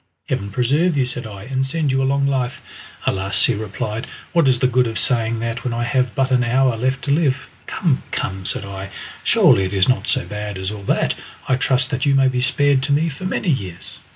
"Heaven preserve you," said I, "and send you a long life!" "Alas!" he replied, "what is the good of saying that when I have but an hour left to live!" "Come, come!" said I, "surely it is not so bad as all that. I trust that you may be spared to me for many years."